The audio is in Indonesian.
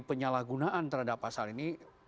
penyalahgunaan terhadap pasal ini